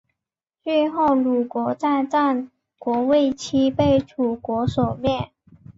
最后鲁国在战国末期被楚国所灭。